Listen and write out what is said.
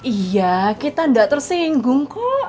iya kita tidak tersinggung kok